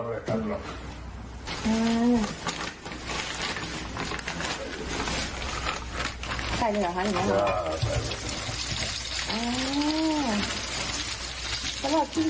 เอาลองด้วยเอาลองด้วย